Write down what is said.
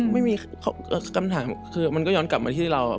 ไม่มีคำถามคือมันก็ย้อนกลับมาที่เรา